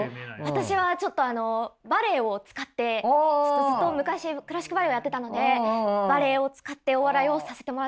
私はちょっとあのバレエを使ってずっと昔クラシックバレエをやってたのでバレエを使ってお笑いをさせてもらってて。